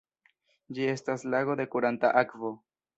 Ĝi estas lago de kuranta akvo.